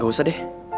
gak usah deh